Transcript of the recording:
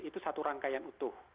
itu satu rangkaian utuh